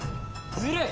ずるい！